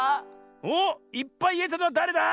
おっいっぱいいえたのはだれだ？